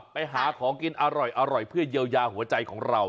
ไปหาของกินอร่อยเพื่อเยียวยาหัวใจของเรา